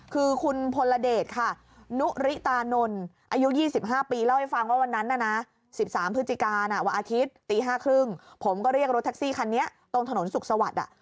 คือคุณพลเดชค่ะนุริตานนอายุ๒๕ปีเล่าให้ฟังว่าวันนั้นน่ะนะ๑๓พฤศจิกาวันอาทิตย์ตี๕๓๐ผมก็เรียกรถแท็กซี่คันนี้ตรงถนนสุขสวัสดิ์